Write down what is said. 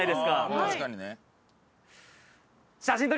確かにね。